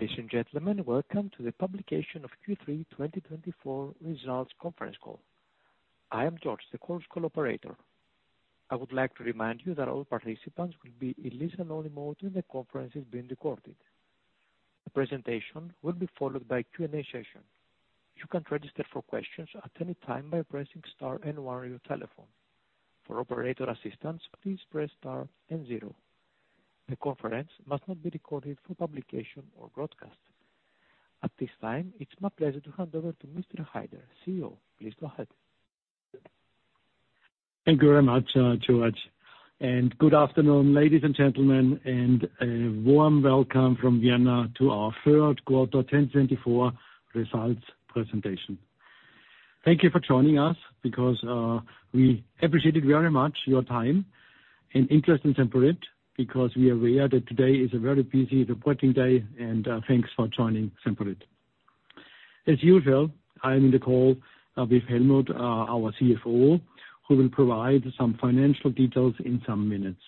Ladies and gentlemen, welcome to the publication of Q3 2024 Results Conference Call. I am George, the Chorus Call operator. I would like to remind you that all participants will be in listen-only mode, and the conference is being recorded. The presentation will be followed by a Q&A session. You can register for questions at any time by pressing star and one on your telephone. For operator assistance, please press star and zero. The conference must not be recorded for publication or broadcast. At this time, it's my pleasure to hand over to Mr. Haider, CEO. Please go ahead. Thank you very much, George, and good afternoon, ladies and gentlemen, and a warm welcome from Vienna to our Third Quarter 2024 Results Presentation. Thank you for joining us because we appreciate it very much, your time and interest in Semperit, because we are aware that today is a very busy reporting day, and thanks for joining Semperit. As usual, I am in the call with Helmut, our CFO, who will provide some financial details in some minutes.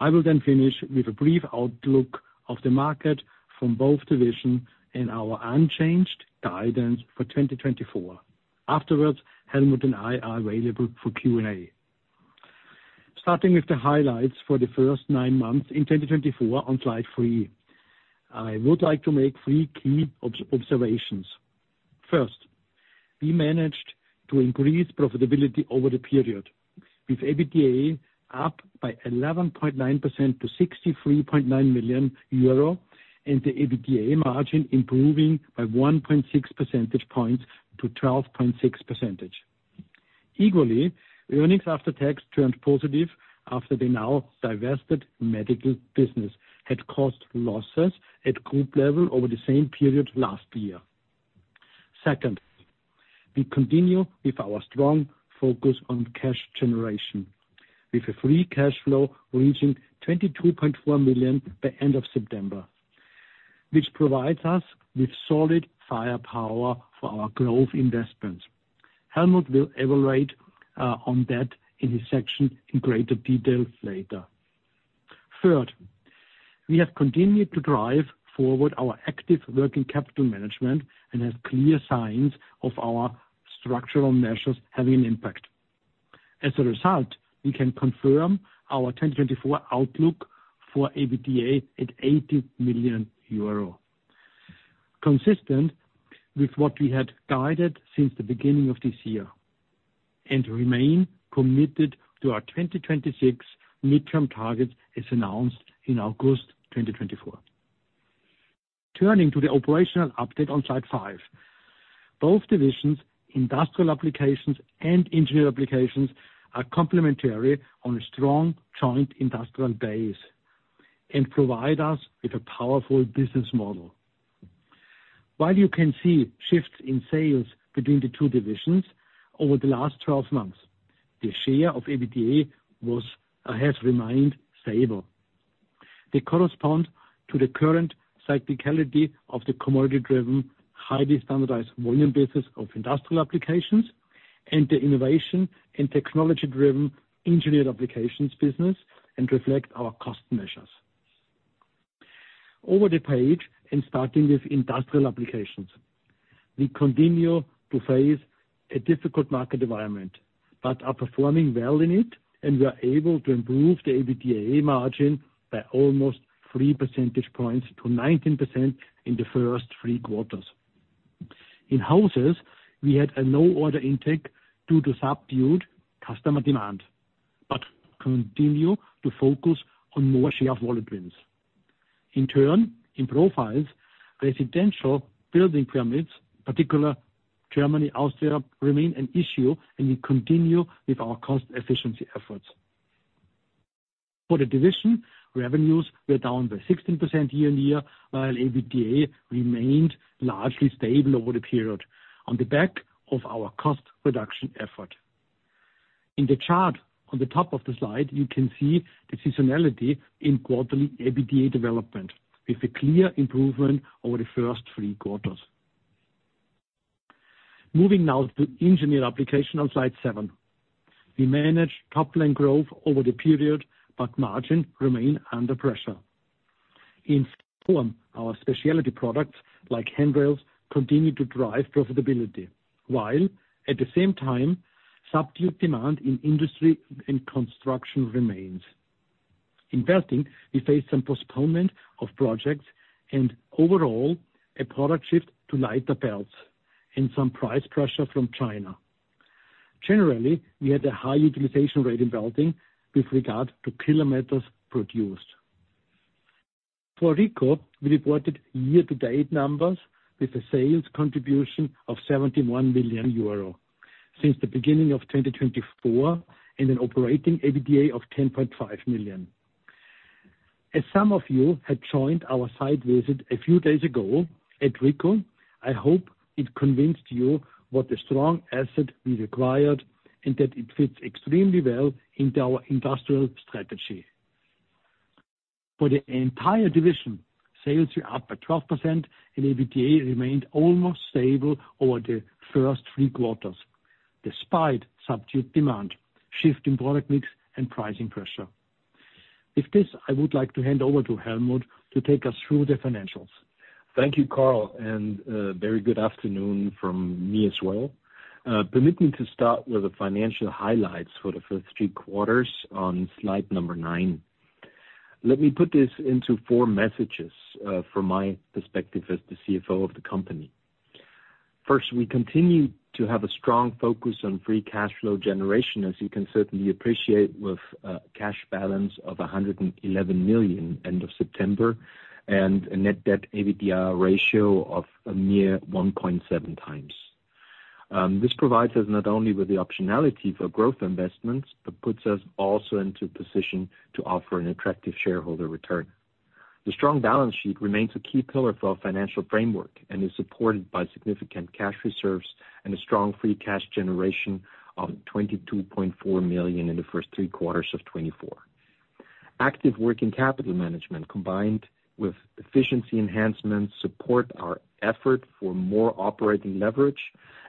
I will then finish with a brief outlook of the market from both divisions and our unchanged guidance for 2024. Afterwards, Helmut and I are available for Q&A. Starting with the highlights for the first nine months in 2024 on slide three, I would like to make three key observations. First, we managed to increase profitability over the period, with EBITDA up by 11.9% to 63.9 million euro, and the EBITDA margin improving by 1.6 percentage points to 12.6%. Equally, earnings after tax turned positive after the now divested medical business had cost losses at group level over the same period last year. Second, we continue with our strong focus on cash generation, with a free cash flow reaching 22.4 million by end of September, which provides us with solid firepower for our growth investments. Helmut will evaluate on that in his section in greater detail later. Third, we have continued to drive forward our active working capital management and have clear signs of our structural measures having an impact. As a result, we can confirm our 2024 outlook for EBITDA at 80 million euro, consistent with what we had guided since the beginning of this year, and remain committed to our 2026 midterm targets as announced in August 2024. Turning to the operational update on slide five, both divisions, Industrial Applications and Engineering Applications, are complementary on a strong joint industrial base and provide us with a powerful business model. While you can see shifts in sales between the two divisions over the last 12 months, the share of EBITDA has remained stable. They correspond to the current cyclicality of the commodity-driven, highly standardized volume business of Industrial Applications and the innovation and technology-driven engineered applications business and reflect our cost measures. Over the page, and starting with Industrial Applications, we continue to face a difficult market environment, but are performing well in it, and we are able to improve the EBITDA margin by almost 3 percentage points to 19% in the first three quarters. In hoses, we had a low order intake due to subdued customer demand, but continue to focus on more share of volume wins. In turn, in profiles, residential building permits, particularly Germany, Austria, remain an issue, and we continue with our cost efficiency efforts. For the division, revenues were down by 16% year-on-year, while EBITDA remained largely stable over the period on the back of our cost reduction effort. In the chart on the top of the slide, you can see the seasonality in quarterly EBITDA development, with a clear improvement over the first three quarters. Moving now to Engineered Applications on slide seven, we managed top-line growth over the period, but margin remained under pressure. In Form, our specialty products like handrails continue to drive profitability, while at the same time, subdued demand in industry and construction remains. Investing, we faced some postponement of projects and overall a product shift to lighter belts and some price pressure from China. Generally, we had a high utilization rate in welding with regard to kilometers produced. For RICO, we reported year-to-date numbers with a sales contribution of 71 million euro since the beginning of 2024 and an operating EBITDA of 10.5 million. As some of you had joined our site visit a few days ago at RICO, I hope it convinced you what a strong asset we acquired and that it fits extremely well into our industrial strategy. For the entire division, sales were up by 12%, and EBITDA remained almost stable over the first three quarters, despite subdued demand, shift in product mix, and pricing pressure. With this, I would like to hand over to Helmut to take us through the financials. Thank you, Karl, and very good afternoon from me as well. Permit me to start with the financial highlights for the first three quarters on slide number nine. Let me put this into four messages from my perspective as the CFO of the company. First, we continue to have a strong focus on free cash flow generation, as you can certainly appreciate, with a cash balance of 111 million end of September and a net debt EBITDA ratio of a mere 1.7x. This provides us not only with the optionality for growth investments, but puts us also into a position to offer an attractive shareholder return. The strong balance sheet remains a key pillar for our financial framework and is supported by significant cash reserves and a strong free cash generation of 22.4 million in the first three quarters of 2024. Active working capital management, combined with efficiency enhancements, supports our effort for more operating leverage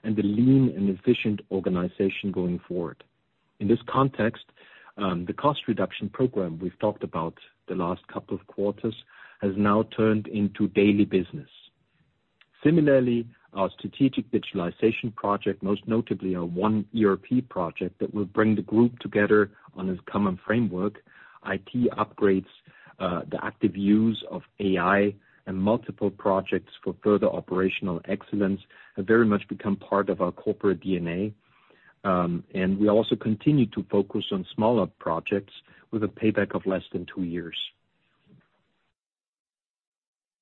and a lean and efficient organization going forward. In this context, the cost reduction program we've talked about the last couple of quarters has now turned into daily business. Similarly, our strategic digitalization project, most notably our One ERP project that will bring the group together on a common framework, IT upgrades, the active use of AI, and multiple projects for further operational excellence have very much become part of our corporate DNA. And we also continue to focus on smaller projects with a payback of less than two years.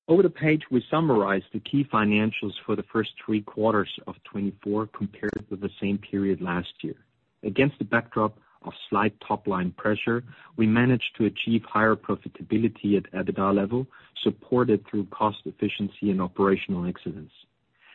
Over the page, we summarize the key financials for the first three quarters of 2024 compared with the same period last year. Against the backdrop of slight top-line pressure, we managed to achieve higher profitability at EBITDA level, supported through cost efficiency and operational excellence.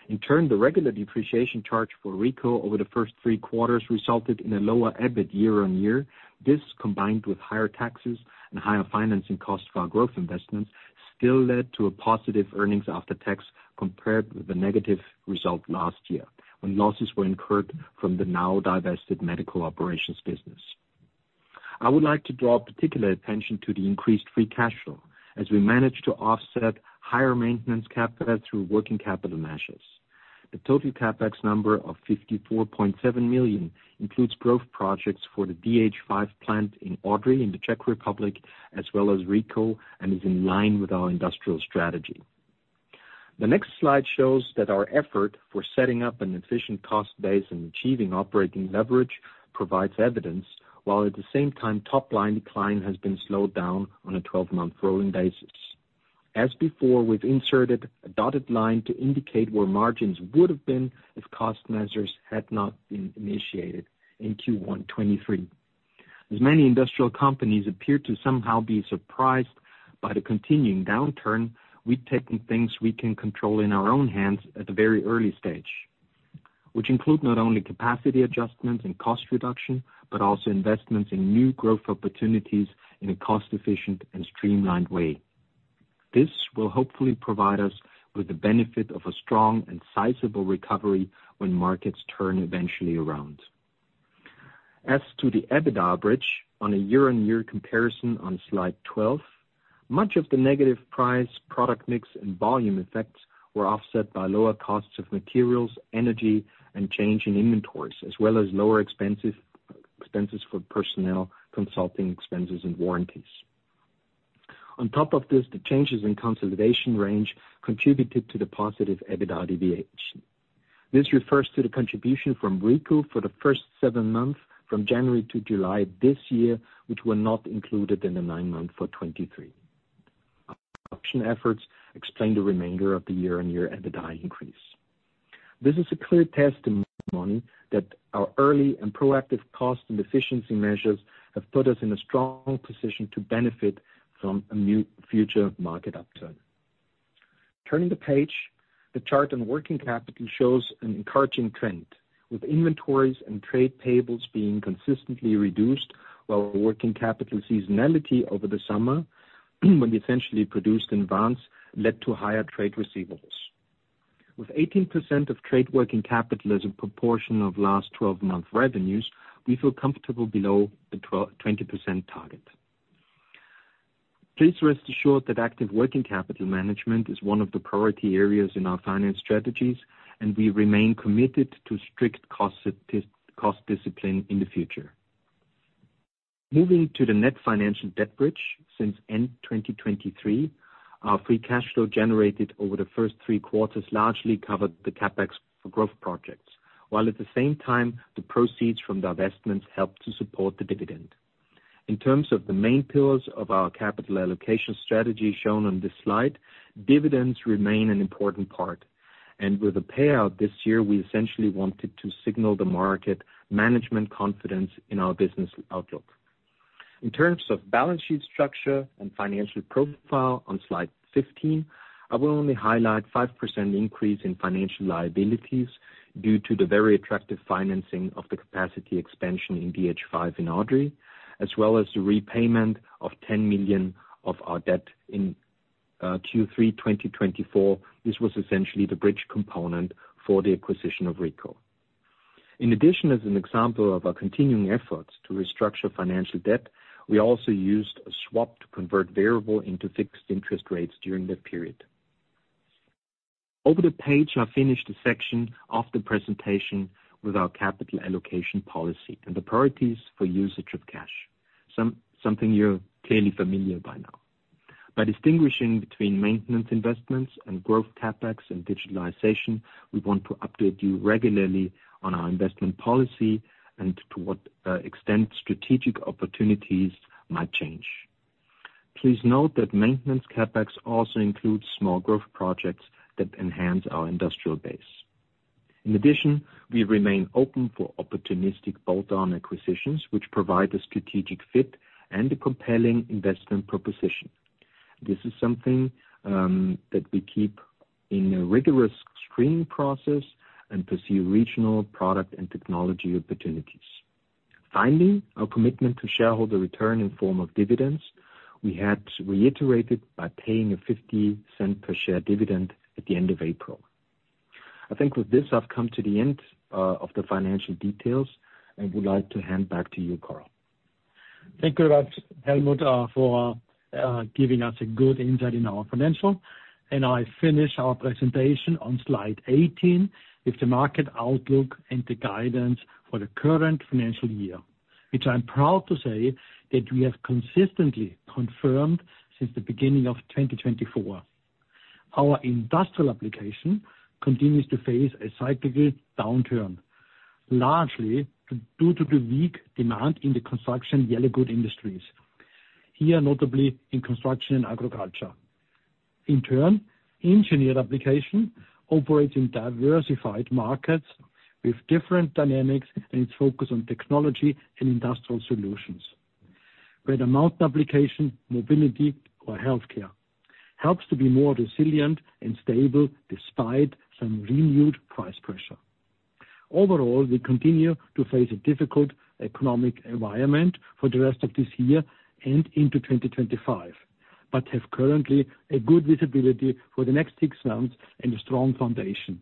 In turn, the regular depreciation charge for RICO over the first three quarters resulted in a lower EBIT year-on-year. This, combined with higher taxes and higher financing costs for our growth investments, still led to a positive earnings after tax compared with the negative result last year when losses were incurred from the now divested medical operations business. I would like to draw particular attention to the increased free cash flow as we managed to offset higher maintenance capital through working capital measures. The total CapEx number of 54.7 million includes growth projects for the DH5 plant in Odry in the Czech Republic, as well as RICO, and is in line with our industrial strategy. The next slide shows that our effort for setting up an efficient cost base and achieving operating leverage provides evidence, while at the same time, top-line decline has been slowed down on a 12-month rolling basis. As before, we've inserted a dotted line to indicate where margins would have been if cost measures had not been initiated in Q1 2023. As many industrial companies appear to somehow be surprised by the continuing downturn, we've taken things we can control in our own hands at a very early stage, which include not only capacity adjustments and cost reduction, but also investments in new growth opportunities in a cost-efficient and streamlined way. This will hopefully provide us with the benefit of a strong and sizable recovery when markets turn eventually around. As to the EBITDA average on a year-on-year comparison on slide 12, much of the negative price, product mix, and volume effects were offset by lower costs of materials, energy, and change in inventories, as well as lower expenses for personnel, consulting expenses, and warranties. On top of this, the changes in consolidation range contributed to the positive EBITDA deviation. This refers to the contribution from RICO for the first seven months from January to July this year, which were not included in the nine months for 2023. Our production efforts explain the remainder of the year-on-year EBITDA increase. This is a clear testament that our early and proactive cost and efficiency measures have put us in a strong position to benefit from a new future market upturn. Turning the page, the chart on working capital shows an encouraging trend, with inventories and trade payables being consistently reduced while working capital seasonality over the summer, when we essentially produced in advance, led to higher trade receivables. With 18% of trade working capital as a proportion of last 12-month revenues, we feel comfortable below the 20% target. Please rest assured that active working capital management is one of the priority areas in our finance strategies, and we remain committed to strict cost discipline in the future. Moving to the net financial debt bridge, since end 2023, our free cash flow generated over the first three quarters largely covered the CapEx for growth projects, while at the same time, the proceeds from the investments helped to support the dividend. In terms of the main pillars of our capital allocation strategy shown on this slide, dividends remain an important part. With the payout this year, we essentially wanted to signal the market management confidence in our business outlook. In terms of balance sheet structure and financial profile on slide 15, I will only highlight a 5% increase in financial liabilities due to the very attractive financing of the capacity expansion in DH5 in Odry, as well as the repayment of 10 million of our debt in Q3 2024. This was essentially the bridge component for the acquisition of RICO. In addition, as an example of our continuing efforts to restructure financial debt, we also used a swap to convert variable into fixed interest rates during that period. Over the page, I finished the section of the presentation with our capital allocation policy and the priorities for usage of cash, something you're clearly familiar by now. By distinguishing between maintenance investments and growth CapEx and digitalization, we want to update you regularly on our investment policy and to what extent strategic opportunities might change. Please note that maintenance CapEx also includes small growth projects that enhance our industrial base. In addition, we remain open for opportunistic bolt-on acquisitions, which provide a strategic fit and a compelling investment proposition. This is something that we keep in a rigorous screening process and pursue regional product and technology opportunities. Finally, our commitment to shareholder return in form of dividends. We had reiterated by paying a 0.50 per share dividend at the end of April. I think with this, I've come to the end of the financial details and would like to hand back to you, Karl. Thank you very much, Helmut, for giving us a good insight into our financials. I finish our presentation on slide 18 with the market outlook and the guidance for the current financial year, which I'm proud to say that we have consistently confirmed since the beginning of 2024. Our Industrial Applications continue to face a cyclical downturn, largely due to the weak demand in the construction yellow goods industries, here notably in construction and agriculture. In turn, Engineered Applications operates in diversified markets with different dynamics and its focus on technology and industrial solutions, whether medical applications, mobility, or healthcare, helps to be more resilient and stable despite some renewed price pressure. Overall, we continue to face a difficult economic environment for the rest of this year and into 2025, but have currently a good visibility for the next six months and a strong foundation.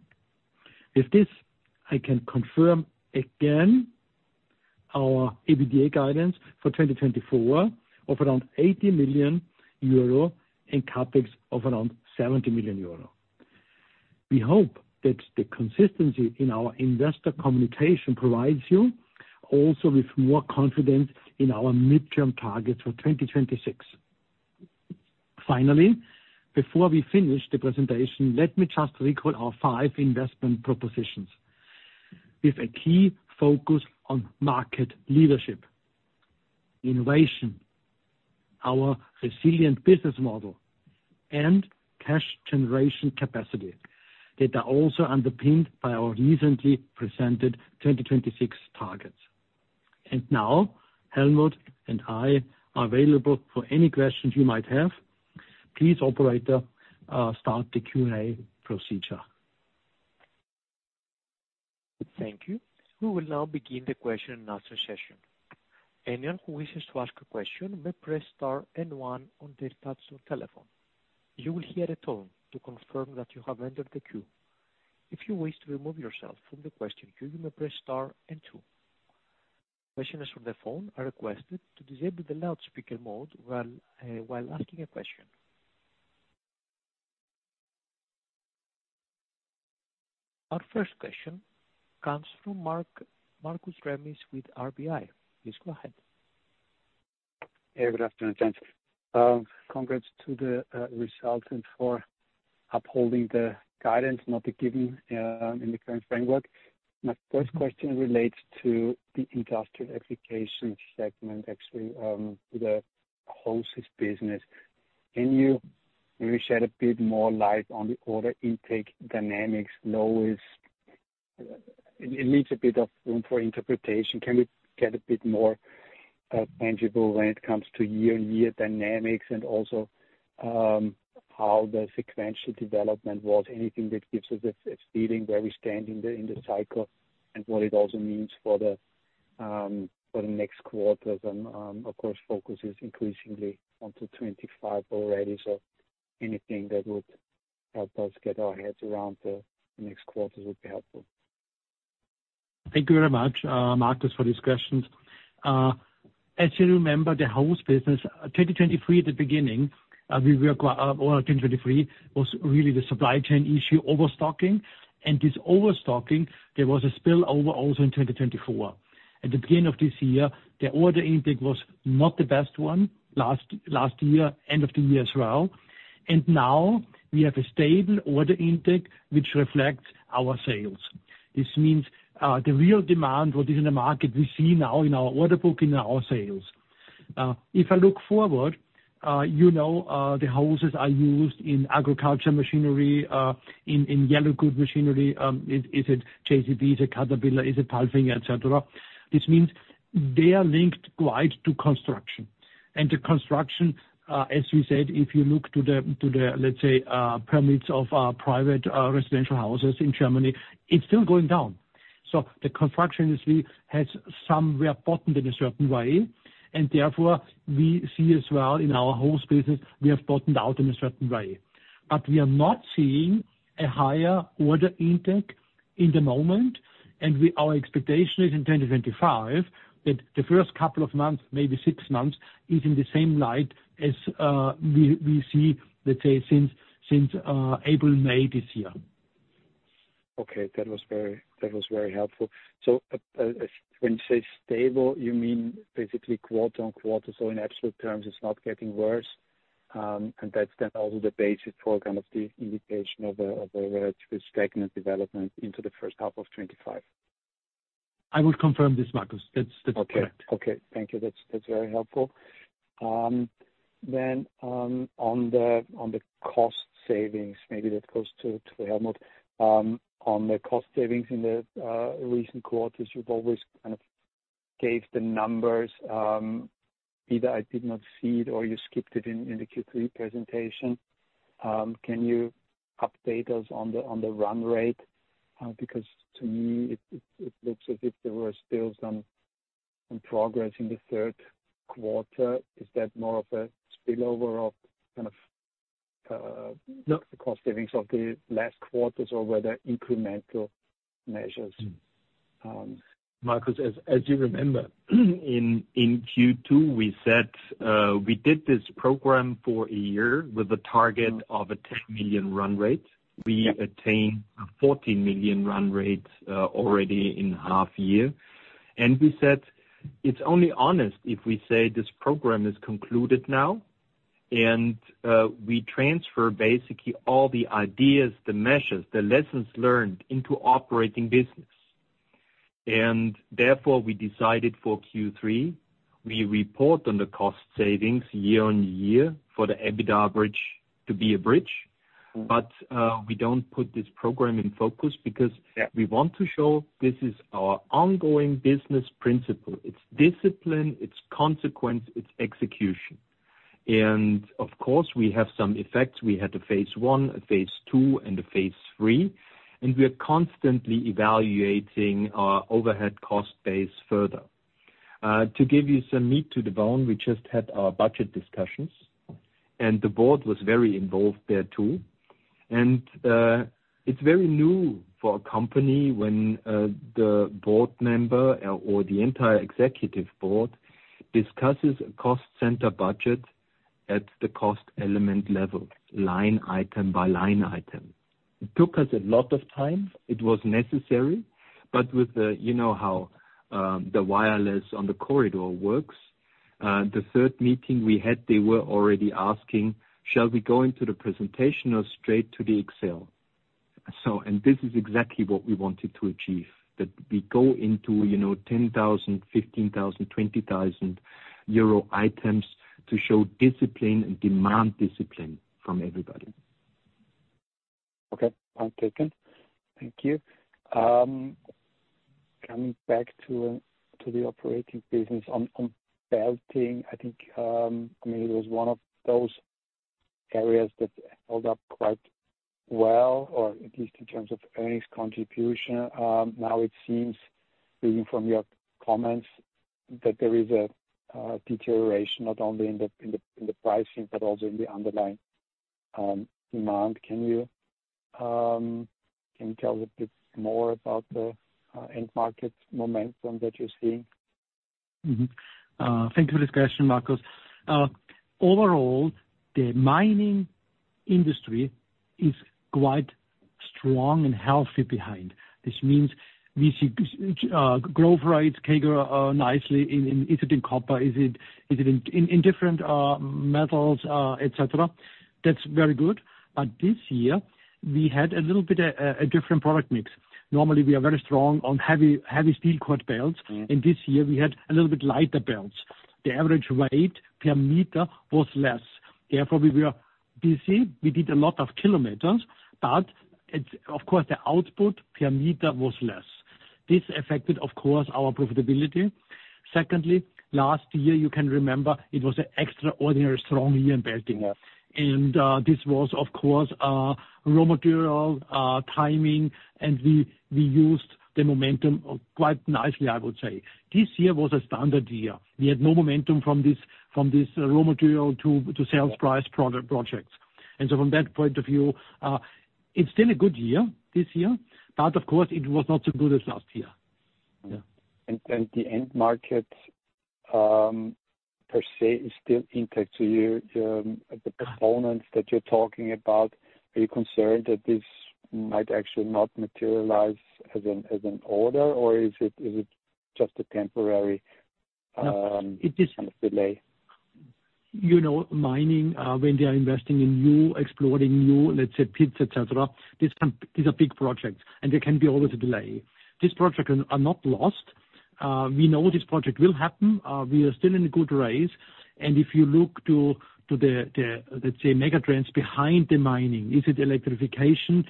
With this, I can confirm again our EBITDA guidance for 2024 of around 80 million euro and CapEx of around 70 million euro. We hope that the consistency in our investor communication provides you also with more confidence in our midterm targets for 2026. Finally, before we finish the presentation, let me just recall our five investment propositions with a key focus on market leadership, innovation, our resilient business model, and cash generation capacity that are also underpinned by our recently presented 2026 targets. And now, Helmut and I are available for any questions you might have. Please, operator, start the Q&A procedure. Thank you. We will now begin the question and answer session. Anyone who wishes to ask a question may press star and one on their touch or telephone. You will hear a tone to confirm that you have entered the queue. If you wish to remove yourself from the question queue, you may press star and two. Questioners on the phone are requested to disable the loudspeaker mode while asking a question. Our first question comes from Markus Remis with RBI. Please go ahead. Hey, good afternoon, gents. Congrats to the results for upholding the guidance not given in the current framework. My first question relates to the industrial application segment, actually, the whole business. Can you maybe shed a bit more light on the order intake dynamics? It needs a bit of room for interpretation. Can we get a bit more tangible when it comes to year-on-year dynamics and also how the sequential development was? Anything that gives us a feeling where we stand in the cycle and what it also means for the next quarter? Of course, focus is increasingly onto 2025 already, so anything that would help us get our heads around the next quarters would be helpful. Thank you very much, Marcus, for these questions. As you remember, the whole business, 2023 at the beginning, we were or 2023 was really the supply chain issue overstocking. And this overstocking, there was a spillover also in 2024. At the beginning of this year, the order intake was not the best one last year, end of the year as well. And now we have a stable order intake, which reflects our sales. This means the real demand what is in the market, we see now in our order book, in our sales. If I look forward, you know the hoses are used in agriculture machinery, in yellow goods machinery. Is it JCB? Is it Caterpillar? Is it Palfinger? Etc. This means they are linked quite to construction. The construction, as we said, if you look to the, let's say, permits of private residential houses in Germany, it's still going down. The construction industry has somewhere bottomed in a certain way. Therefore, we see as well in our whole business, we have bottomed out in a certain way. We are not seeing a higher order intake in the moment. Our expectation is in 2025 that the first couple of months, maybe six months, is in the same light as we see, let's say, since April, May this year. Okay, that was very helpful. So when you say stable, you mean basically quarter on quarter, so in absolute terms, it's not getting worse. And that's then also the basis for kind of the indication of a relatively stagnant development into the first half of 2025. I would confirm this, Marcus. That's correct. Okay, thank you. That's very helpful. Then on the cost savings, maybe that goes to Helmut. On the cost savings in the recent quarters, you've always kind of gave the numbers. Either I did not see it or you skipped it in the Q3 presentation. Can you update us on the run rate? Because to me, it looks as if there were still some progress in the third quarter. Is that more of a spillover of kind of the cost savings of the last quarters or were there incremental measures? Marcus, as you remember, in Q2, we said we did this program for a year with a target of a 10 million run rate. We attained a 14 million run rate already in half year. And we said, it's only honest if we say this program is concluded now and we transfer basically all the ideas, the measures, the lessons learned into operating business. And therefore, we decided for Q3, we report on the cost savings year-on-year for the EBITDA bridge to be a bridge. But we don't put this program in focus because we want to show this is our ongoing business principle. It's discipline, it's consequence, it's execution. And of course, we have some effects. We had a phase one, a phase two, and a phase three. And we are constantly evaluating our overhead cost base further. To give you some meat to the bone, we just had our budget discussions, and the board was very involved there too. And it's very new for a company when the board member or the entire executive board discusses a cost center budget at the cost element level, line item by line item. It took us a lot of time. It was necessary. But with how the wireless on the corridor works, the third meeting we had, they were already asking, shall we go into the presentation or straight to the Excel? And this is exactly what we wanted to achieve, that we go into 10,000, 15,000, 20,000 euro items to show discipline and demand discipline from everybody. Okay, I'm taken. Thank you. Coming back to the operating business on belting, I think, I mean, it was one of those areas that held up quite well, or at least in terms of earnings contribution. Now it seems, reading from your comments, that there is a deterioration not only in the pricing, but also in the underlying demand. Can you tell us a bit more about the end market momentum that you're seeing? Thank you for this question, Marcus. Overall, the mining industry is quite strong and healthy behind. This means we see growth rates cater nicely in, is it, in copper, is it in different metals, etc. That's very good. But this year, we had a little bit of a different product mix. Normally, we are very strong on heavy steel cord belts. And this year, we had a little bit lighter belts. The average weight per meter was less. Therefore, we were busy. We did a lot of kilometers, but of course, the output per meter was less. This affected, of course, our profitability. Secondly, last year, you can remember, it was an extraordinary strong year in belting. And this was, of course, raw material timing, and we used the momentum quite nicely, I would say. This year was a standard year. We had no momentum from this raw material to sales price projects, and so from that point of view, it's been a good year this year, but of course, it was not so good as last year. The end market per se is still intact. The components that you're talking about, are you concerned that this might actually not materialize as an order, or is it just a temporary delay? Mining, when they are investing in new, exploring new, let's say, pits, etc., these are big projects, and there can be always a delay. These projects are not lost. We know this project will happen. We are still in a good race. If you look to the, let's say, megatrends behind the mining, is it electrification?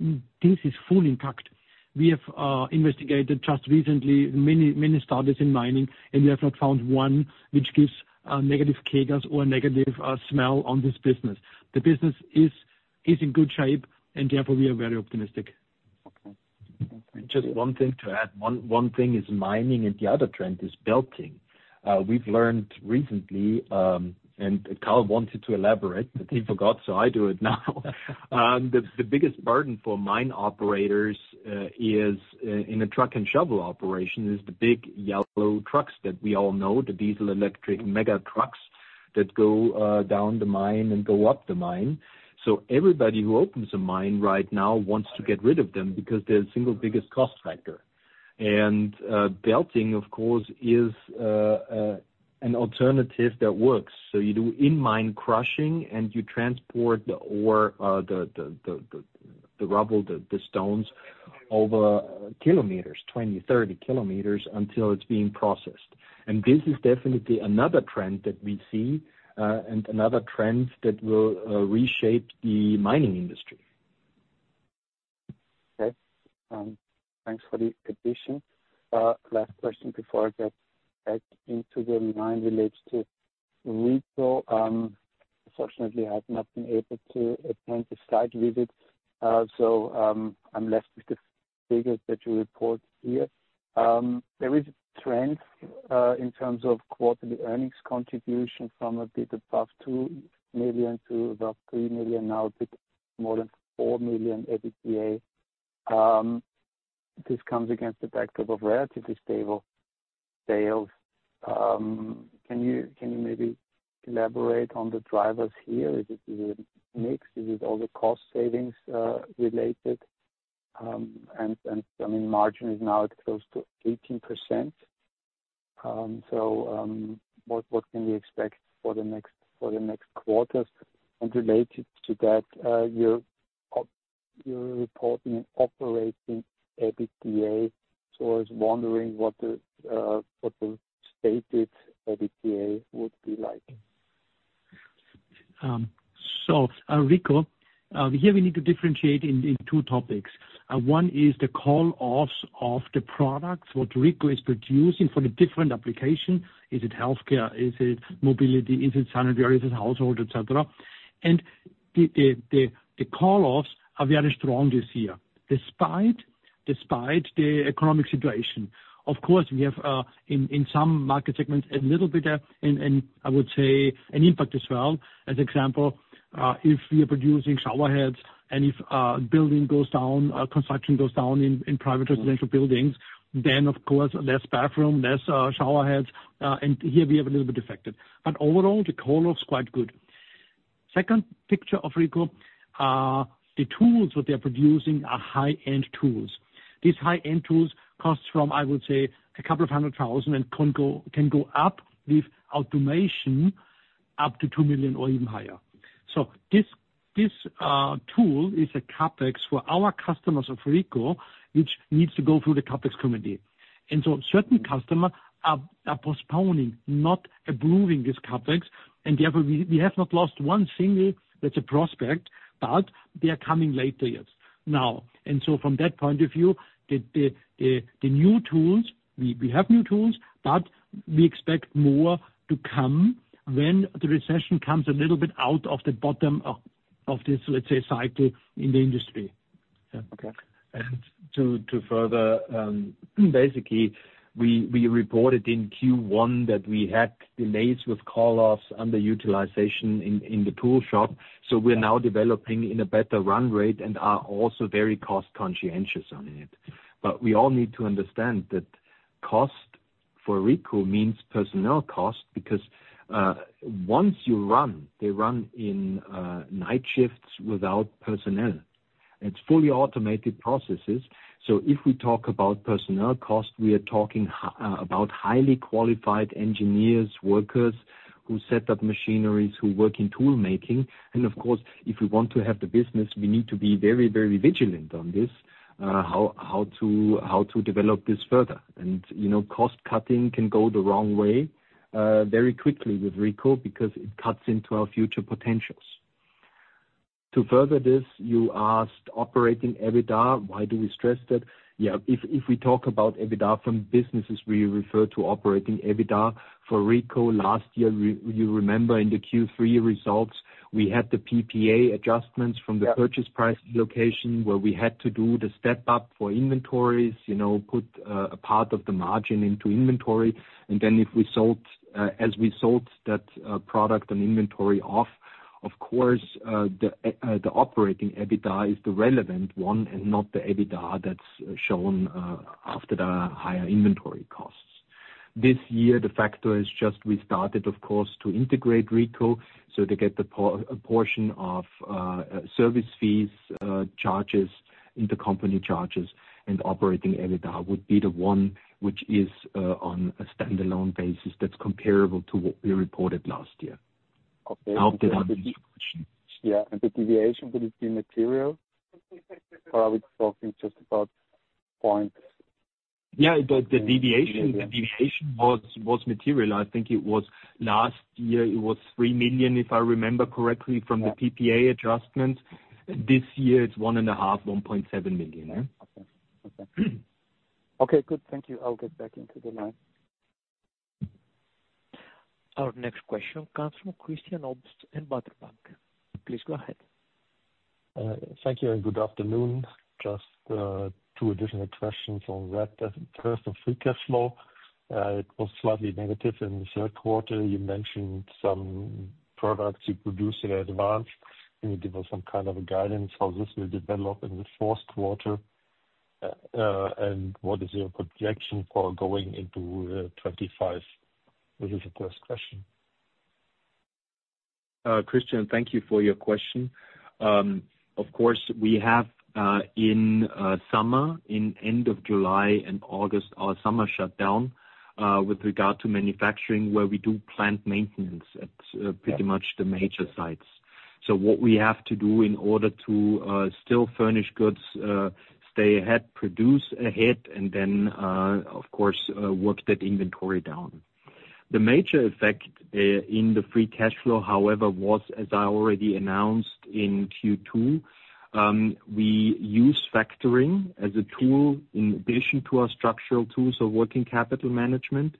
This is fully intact. We have investigated just recently many studies in mining, and we have not found one which gives negative signals or negative smell on this business. The business is in good shape, and therefore, we are very optimistic. Just one thing to add. One thing is mining, and the other trend is belting. We've learned recently, and Karl wanted to elaborate, but he forgot, so I do it now. The biggest burden for mine operators in a truck and shovel operation is the big yellow trucks that we all know, the diesel, electric, mega trucks that go down the mine and go up the mine. So everybody who opens a mine right now wants to get rid of them because they're the single biggest cost factor. And belting, of course, is an alternative that works. So you do in-mine crushing, and you transport the ore, the rubble, the stones over kilometers, 20, 30 km until it's being processed. And this is definitely another trend that we see and another trend that will reshape the mining industry. Okay. Thanks for the addition. Last question before I get back into the mine relates to retail. Unfortunately, I have not been able to attend the site visit, so I'm left with the figures that you report here. There is a trend in terms of quarterly earnings contribution from a bit above 2 million to about 3 million, now a bit more than 4 million every year. This comes against the backdrop of relatively stable sales. Can you maybe elaborate on the drivers here? Is it a mix? Is it all the cost savings related? And I mean, margin is now close to 18%. So what can we expect for the next quarters? And related to that, you're reporting operating EBITDA, so I was wondering what the stated EBITDA would be like. So RICO, here we need to differentiate in two topics. One is the call-offs of the products, what RICO is producing for the different applications. Is it healthcare? Is it mobility? Is it sanitary? Is it household, etc.? And the call-offs are very strong this year, despite the economic situation. Of course, we have in some market segments a little bit, and I would say an impact as well. As an example, if we are producing showerheads, and if building goes down, construction goes down in private residential buildings, then, of course, less bathroom, less showerheads. And here we have a little bit affected. But overall, the call-off is quite good. Second picture of RICO, the tools that they are producing are high-end tools. These high-end tools cost from, I would say, a couple of hundred thousand and can go up with automation up to 2 million or even higher. This tool is a CapEx for our customers of RICO, which needs to go through the CapEx committee. Certain customers are postponing, not approving this CapEx. We have not lost one single that's a prospect, but they are coming later yet. From that point of view, the new tools, we have new tools, but we expect more to come when the recession comes a little bit out of the bottom of this, let's say, cycle in the industry. To further, basically, we reported in Q1 that we had delays with call-offs under utilization in the tool shop. So we're now developing in a better run rate and are also very cost-conscious on it. But we all need to understand that cost for RICO means personnel cost because once you run, they run in night shifts without personnel. It's fully automated processes. So if we talk about personnel cost, we are talking about highly qualified engineers, workers who set up machineries, who work in tool making. And of course, if we want to have the business, we need to be very, very vigilant on this, how to develop this further. And cost cutting can go the wrong way very quickly with RICO because it cuts into our future potentials. To further this, you asked operating EBITDA. Why do we stress that? Yeah, if we talk about EBITDA from businesses, we refer to operating EBITDA for RICO last year. You remember in the Q3 results, we had the PPA adjustments from the purchase price allocation where we had to do the step-up for inventories, put a part of the margin into inventory. And then if we sold, as we sold that product on inventory off, of course, the operating EBITDA is the relevant one and not the EBITDA that's shown after the higher inventory costs. This year, the factor is just we started, of course, to integrate RICO so they get the portion of service fees, charges, intercompany charges, and operating EBITDA would be the one which is on a standalone basis that's comparable to what we reported last year. Yeah, and the deviation, would it be material? Or are we talking just about points? Yeah, the deviation was material. I think it was last year, it was 3 million, if I remember correctly, from the PPA adjustments. This year, it's 1.5 million-1.7 million. Okay, good. Thank you. I'll get back into the line. Our next question comes from Christian Obst and Baader Bank. Please go ahead. Thank you and good afternoon. Just two additional questions on that. First, the free cash flow. It was slightly negative in the third quarter. You mentioned some products you produced in advance, and you gave us some kind of guidance on how this will develop in the fourth quarter, and what is your projection for going into 2025? This is the first question. Christian, thank you for your question. Of course, we have in summer, at the end of July and August, our summer shutdown with regard to manufacturing where we do plant maintenance at pretty much the major sites. So what we have to do in order to still furnish goods, stay ahead, produce ahead, and then, of course, work that inventory down. The major effect in the free cash flow, however, was, as I already announced in Q2, we used factoring as a tool in addition to our structural tools of working capital management,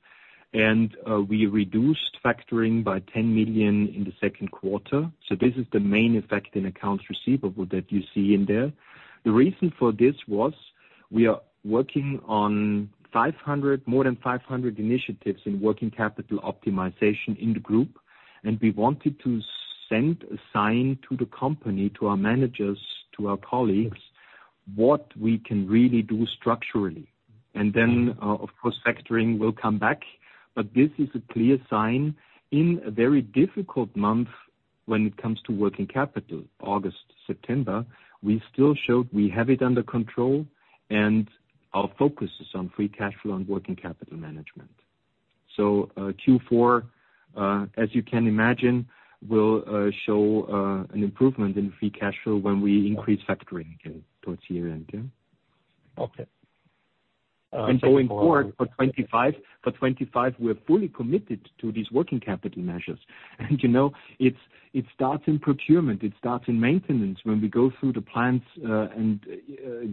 and we reduced factoring by 10 million in the second quarter. So this is the main effect in accounts receivable that you see in there. The reason for this was, we are working on more than 500 initiatives in working capital optimization in the group. And we wanted to send a sign to the company, to our managers, to our colleagues, what we can really do structurally. And then, of course, factoring will come back. But this is a clear sign in a very difficult month when it comes to working capital, August, September. We still showed we have it under control, and our focus is on free cash flow and working capital management. So Q4, as you can imagine, will show an improvement in free cash flow when we increase factoring towards year-end. Okay. Going forward for 2025, we're fully committed to these working capital measures. It starts in procurement. It starts in maintenance when we go through the plants and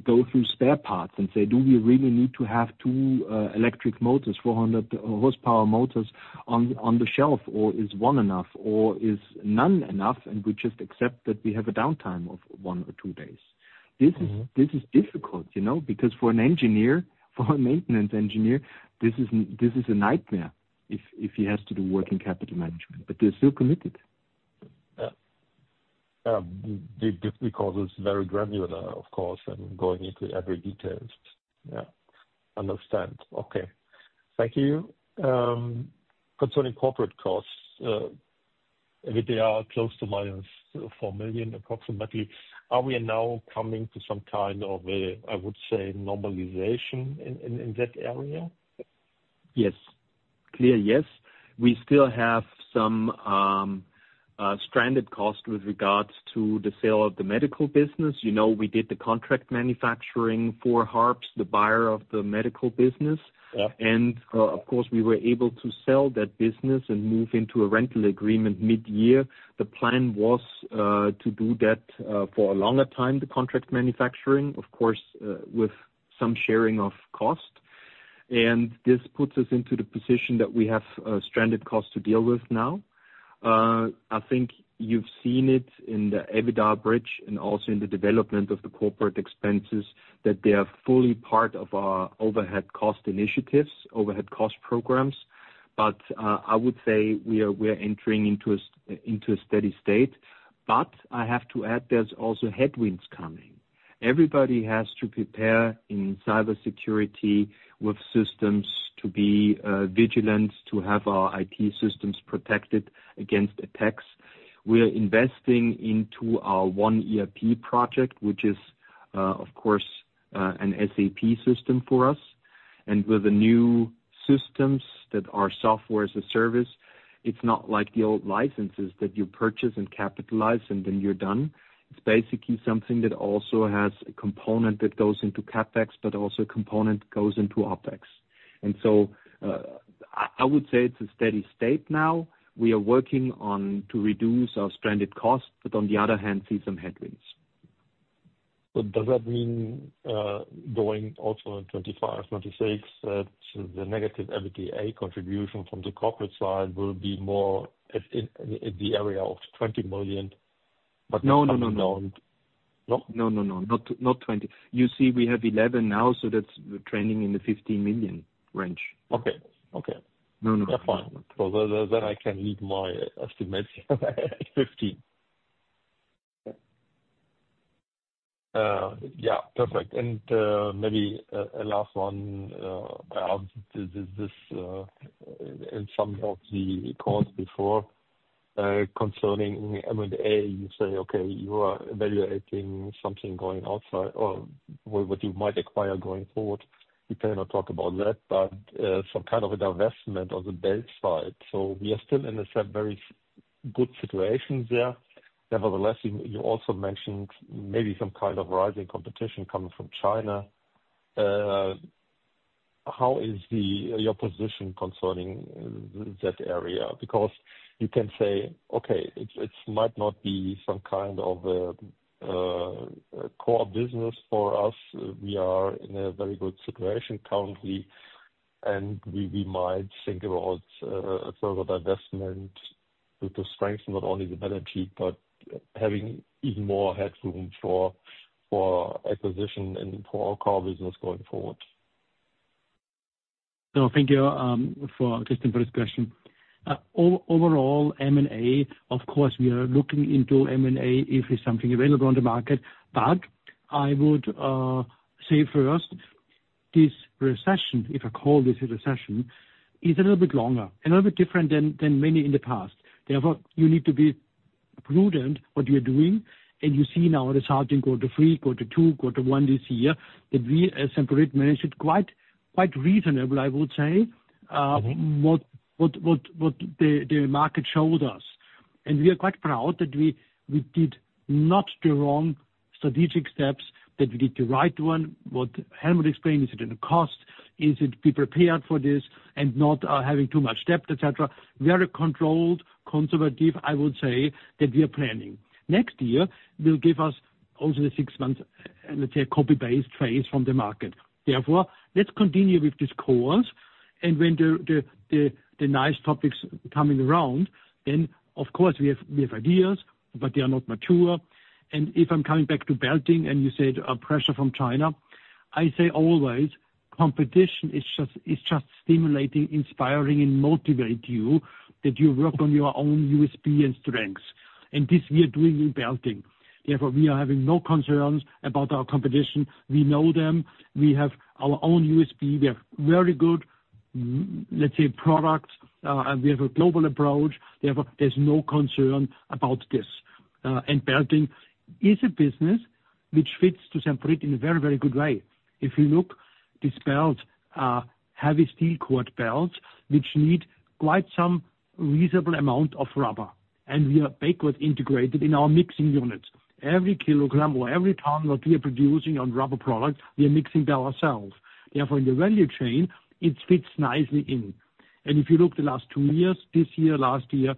go through spare parts and say, "Do we really need to have two electric motors, 400 horsepower motors on the shelf, or is one enough, or is none enough?" We just accept that we have a downtime of one or two days. This is difficult because for an engineer, for a maintenance engineer, this is a nightmare if he has to do working capital management, but they're still committed. Yeah. The difficulty is very granular, of course, and going into every detail. Yeah. Understand. Okay. Thank you. Concerning corporate costs, they are close to -4 million approximately. Are we now coming to some kind of, I would say, normalization in that area? Yes. Clear yes. We still have some stranded cost with regards to the sale of the medical business. We did the contract manufacturing for Harps, the buyer of the medical business. And of course, we were able to sell that business and move into a rental agreement mid-year. The plan was to do that for a longer time, the contract manufacturing, of course, with some sharing of cost. And this puts us into the position that we have stranded costs to deal with now. I think you've seen it in the EBITDA bridge and also in the development of the corporate expenses that they are fully part of our overhead cost initiatives, overhead cost programs. But I would say we are entering into a steady state. But I have to add there's also headwinds coming. Everybody has to prepare in cybersecurity with systems to be vigilant, to have our IT systems protected against attacks. We're investing into our One ERP project, which is, of course, an SAP system for us, and with the new systems that are software as a service, it's not like the old licenses that you purchase and capitalize and then you're done. It's basically something that also has a component that goes into CapEx, but also a component that goes into OpEx, and so I would say it's a steady state now. We are working on reducing our stranded costs, but on the other hand, see some headwinds. But does that mean going also in 2025, 2026, that the negative EBITDA contribution from the corporate side will be more in the area of 20 million? No, no, no, no. No? No, no, no. Not 20. You see, we have 11 now, so that's trending in the 15 million range. Okay. Okay. No, no. That's fine. So then I can leave my estimates at 15. Yeah. Perfect. And maybe a last one. I asked this in some of the calls before concerning M&A. You say, "Okay, you are evaluating something going outside or what you might acquire going forward." You kind of talked about that, but some kind of an investment on the buy-side. So we are still in a very good situation there. Nevertheless, you also mentioned maybe some kind of rising competition coming from China. How is your position concerning that area? Because you can say, "Okay, it might not be some kind of a core business for us. We are in a very good situation currently, and we might think about a further investment to strengthen not only the balance sheet, but having even more headroom for acquisition and for our core business going forward. No, thank you for this question. Overall, M&A, of course, we are looking into M&A if it's something available on the market. But I would say first, this recession, if I call this a recession, is a little bit longer, a little bit different than many in the past. Therefore, you need to be prudent what you're doing. And you see now the challenging quarter three, quarter two, quarter one this year that we as Semperit managed it quite reasonably, I would say, what the market showed us. And we are quite proud that we did not do wrong strategic steps, that we did the right one. What Helmut explained, is it in cost? Is it we prepared for this and not having too much debt, etc.? Very controlled, conservative, I would say, that we are planning. Next year will give us also the six-month, let's say, copy-paste phase from the market. Therefore, let's continue with this course. And when the nice topics are coming around, then, of course, we have ideas, but they are not mature. And if I'm coming back to belting and you said pressure from China, I say always competition is just stimulating, inspiring, and motivating you that you work on your own USP and strengths. And this we are doing in belting. Therefore, we are having no concerns about our competition. We know them. We have our own USP. We have very good, let's say, products. We have a global approach. Therefore, there's no concern about this. And belting is a business which fits to Semperit in a very, very good way. If you look, these belts are heavy steel cord belts which need quite some reasonable amount of rubber. We are backward integrated in our mixing units. Every kilogram or every ton that we are producing on rubber products, we are mixing by ourselves. Therefore, in the value chain, it fits nicely in. If you look the last two years, this year, last year,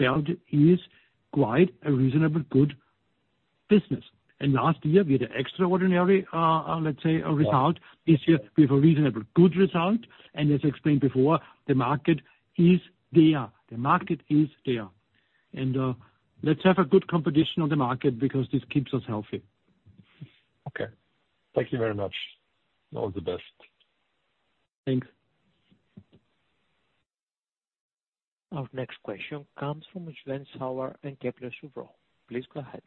belt is quite a reasonable good business. Last year, we had an extraordinary, let's say, result. This year, we have a reasonable good result. As I explained before, the market is there. The market is there. Let's have a good competition on the market because this keeps us healthy. Okay. Thank you very much. All the best. Thanks. Our next question comes from Jens Heider and Kepler Cheuvreux. Please go ahead.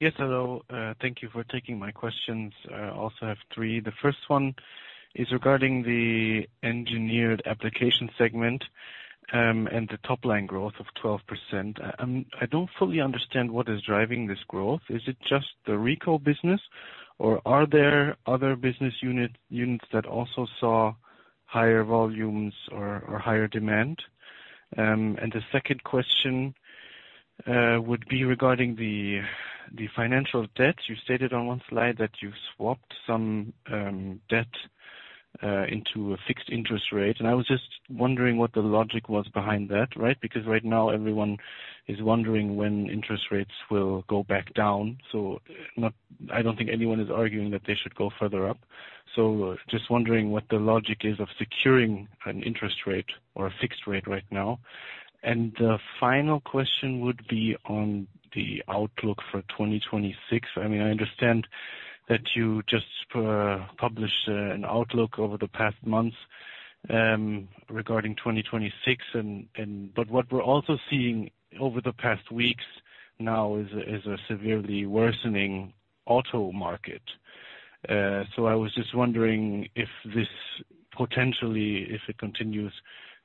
Yes, hello. Thank you for taking my questions. I also have three. The first one is regarding the engineered application segment and the top-line growth of 12%. I don't fully understand what is driving this growth. Is it just the recall business, or are there other business units that also saw higher volumes or higher demand? And the second question would be regarding the financial debt. You stated on one slide that you swapped some debt into a fixed interest rate. And I was just wondering what the logic was behind that, right? Because right now, everyone is wondering when interest rates will go back down. So I don't think anyone is arguing that they should go further up. So just wondering what the logic is of securing an interest rate or a fixed rate right now. And the final question would be on the outlook for 2026. I mean, I understand that you just published an outlook over the past months regarding 2026. But what we're also seeing over the past weeks now is a severely worsening auto market. So I was just wondering if this potentially, if it continues,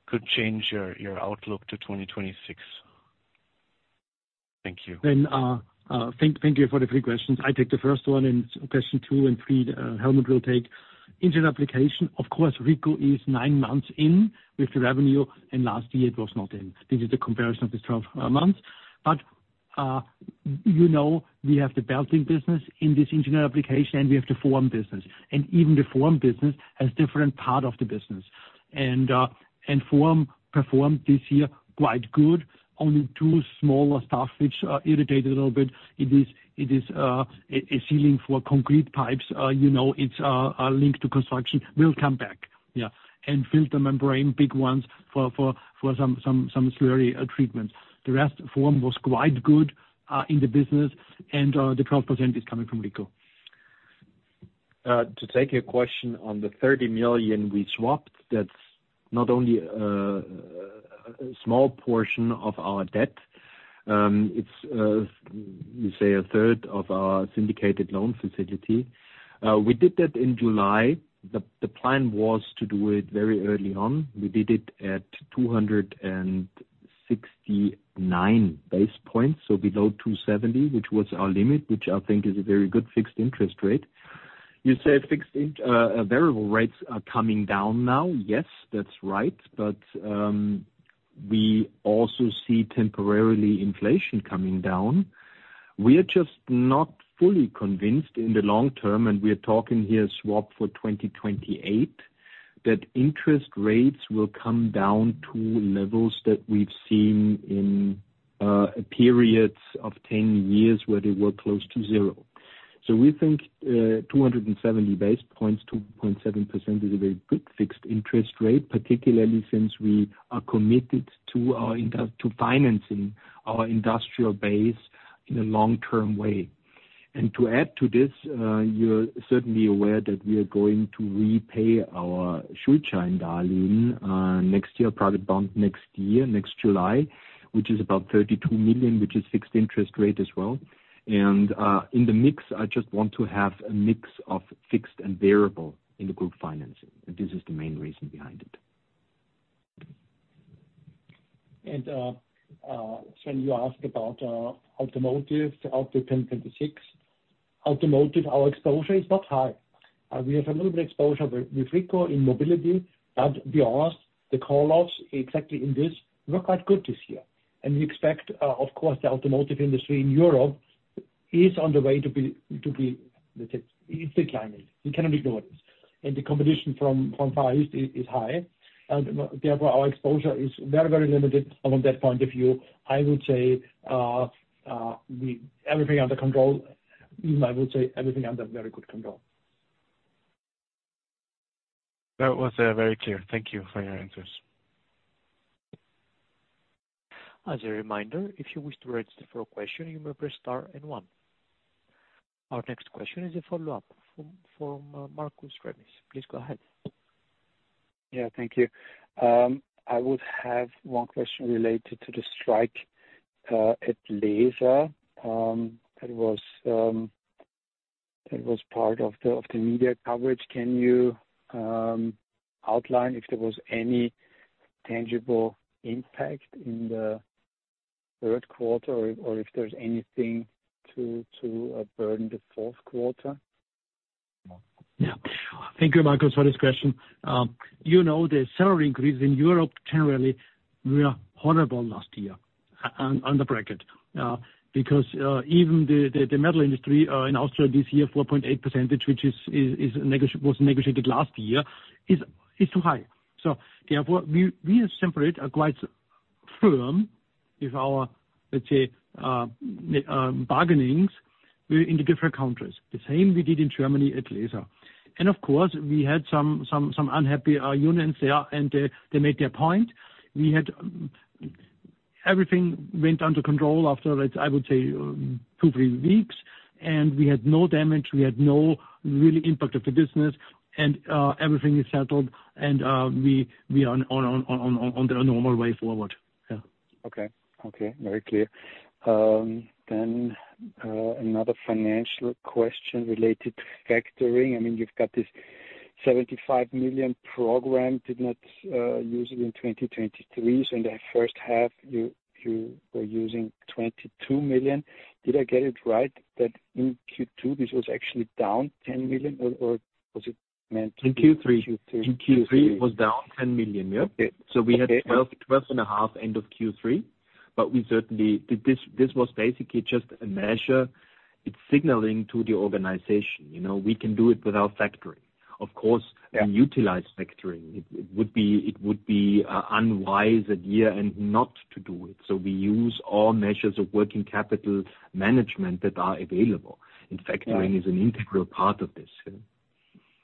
could change your outlook to 2026. Thank you. Then thank you for the three questions. I take the first one, and question two and three, Helmut will take. Engineered application, of course, RICO is nine months in with the revenue, and last year, it was not in. This is the comparison of the 12 months. But we have the belting business in this engineered application, and we have the form business. And even the form business has a different part of the business. And form performed this year quite good. Only two smaller stuff which irritated a little bit. It is a sealing for concrete pipes. It's linked to construction. We'll come back. Yeah. And filter membrane, big ones for some slurry treatments. The rest form was quite good in the business, and the 12% is coming from RICO. To take your question on the 30 million we swapped, that's not only a small portion of our debt. It's, we say, a third of our syndicated loan facility. We did that in July. The plan was to do it very early on. We did it at 269 basis points, so below 270, which was our limit, which I think is a very good fixed interest rate. You say variable rates are coming down now. Yes, that's right. But we also see temporarily inflation coming down. We are just not fully convinced in the long term, and we are talking here swap for 2028, that interest rates will come down to levels that we've seen in periods of 10 years where they were close to zero. We think 270 basis points, 2.7% is a very good fixed interest rate, particularly since we are committed to financing our industrial base in a long-term way. To add to this, you're certainly aware that we are going to repay our Schuldschein loan next year, private bond next year, next July, which is about 32 million, which is fixed interest rate as well. In the mix, I just want to have a mix of fixed and variable in the group financing. This is the main reason behind it. When you asked about automotive, out to 2026, automotive, our exposure is not high. We have a little bit of exposure with recall in mobility, but the call-offs exactly in this were quite good this year. We expect, of course, the automotive industry in Europe is on the way to be, let's say, declining. We cannot ignore this. The competition from Far East is high. Therefore, our exposure is very, very limited from that point of view. I would say everything under control, even I would say everything under very good control. That was very clear. Thank you for your answers. As a reminder, if you wish to register for a question, you may press star and one. Our next question is a follow-up from Markus Remis. Please go ahead. Yeah, thank you. I would have one question related to the strike at Leeser. That was part of the media coverage. Can you outline if there was any tangible impact in the third quarter or if there's anything to burn the fourth quarter? Yeah. Thank you, Marcus, for this question. You know the salary increase in Europe generally were horrible last year on the bracket because even the metal industry in Austria this year, 4.8%, which was negotiated last year, is too high. So therefore, we as Semperit are quite firm with our, let's say, bargainings in the different countries. The same we did in Germany at Leeser. And of course, we had some unhappy unions there, and they made their point. Everything went under control after, I would say, two, three weeks, and we had no damage. We had no really impact of the business, and everything is settled, and we are on the normal way forward. Yeah. Okay. Okay. Very clear. Then another financial question related to factoring. I mean, you've got this 75 million program. Did not use it in 2023. So in the first half, you were using 22 million. Did I get it right that in Q2, this was actually down 10 million, or was it meant to be? In Q3. In Q3, it was down 10 million. Yeah, so we had 12.5 million end of Q3, but we certainly did this. This was basically just a measure. It's signaling to the organization, "We can do it without factoring." Of course, we utilize factoring. It would be unwise a year and not to do it, so we use all measures of working capital management that are available, and factoring is an integral part of this.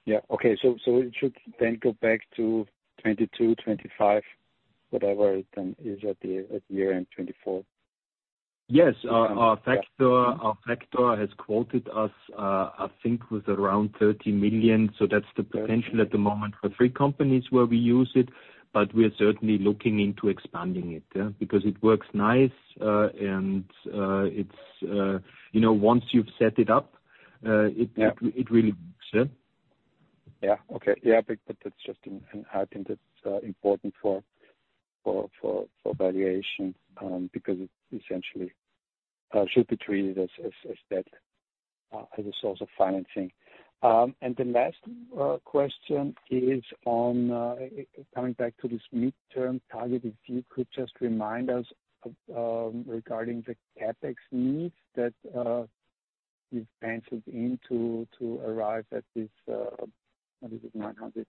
Yeah. Okay, so it should then go back to 22 million-25 million, whatever it then is at year-end 2024. Yes. Our factor has quoted us, I think, with around 30 million. So that's the potential at the moment for three companies where we use it, but we're certainly looking into expanding it because it works nice. And once you've set it up, it really works. But that's just an item that's important for valuation because it essentially should be treated as debt as a source of financing. And the last question is on coming back to this midterm target. If you could just remind us regarding the CapEx needs that you've penciled in to arrive at this 900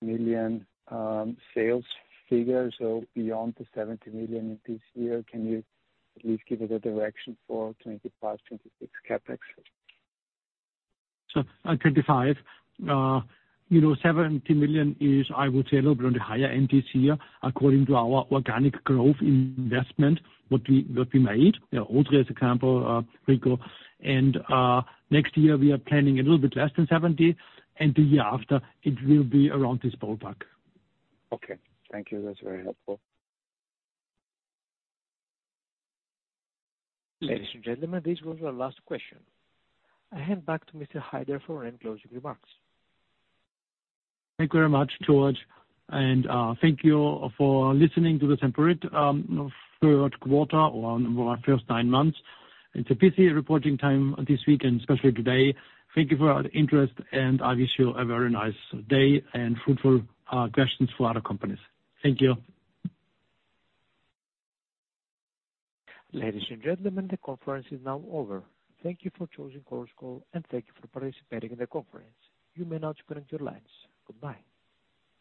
million sales figure, so beyond the 70 million this year. Can you at least give us a direction for 2025, 2026 CapEx? 25.70 million is, I would say, a little bit on the higher end this year according to our organic growth investment that we made. The older example, recall. Next year, we are planning a little bit less than 70. The year after, it will be around this ballpark. Okay. Thank you. That's very helpful. Ladies and gentlemen, this was our last question. I hand back to Mr. Haider for end closing remarks. Thank you very much, George, and thank you for listening to the Semperit third quarter or first nine months. It's a busy reporting time this week and especially today. Thank you for your interest, and I wish you a very nice day and fruitful questions for other companies. Thank you. Ladies and gentlemen, the conference is now over. Thank you for choosing Chorus Call, and thank you for participating in the conference. You may now turn off your lines. Goodbye.